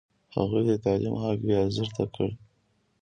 هغوی د تعلیم حق بې ارزښته کړ.